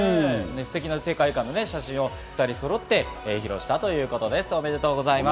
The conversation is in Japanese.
ステキな世界観の写真を２人そろって披露したということです。